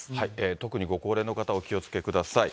特にご高齢の方、お気をつけください。